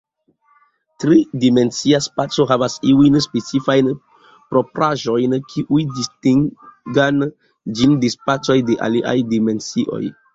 Tri-dimensia spaco havas iujn specifajn propraĵojn, kiuj distingan ĝin de spacoj de aliaj dimensioj.